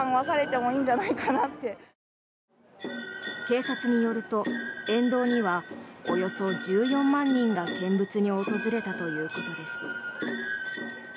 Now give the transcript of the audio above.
警察によると沿道にはおよそ１４万人が見物に訪れたということです。